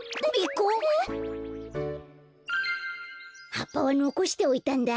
はっぱはのこしておいたんだ。